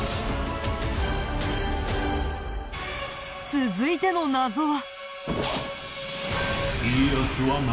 続いての謎は。